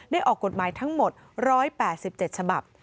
ได้ออกกฎหมายทั้งหมดร้อยแปดสิบเจ็ดฉบับ